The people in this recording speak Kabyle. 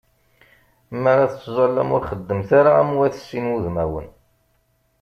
Mi ara tettẓallam, ur xeddmet ara am wat sin wudmawen.